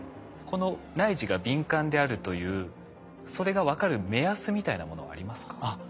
この内耳が敏感であるというそれが分かる目安みたいなものはありますか？